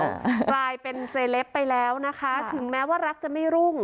กลายเป็นเซเลปไปแล้วนะคะถึงแม้ว่ารักจะไม่รุ่ง